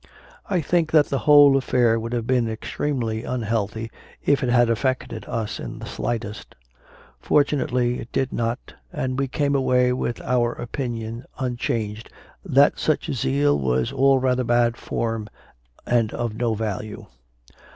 I think that the whole affair would have been extremely unhealthy if it had affected us in the slightest. Fortunately it did not, and we came away with our opinion un changed that such zeal was all rather bad form and of no value.